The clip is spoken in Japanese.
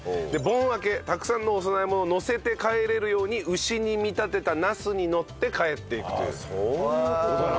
盆明けたくさんのお供え物を載せて帰れるように牛に見立てたなすに乗って帰っていくという。